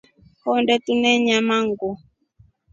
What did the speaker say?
Honde tunemanya nguu.